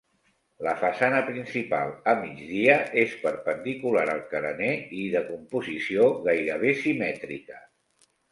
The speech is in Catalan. La façana principal, a migdia, és perpendicular al carener i de composició gairebé simètrica.